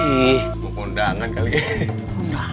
ih gue pundangan kali ya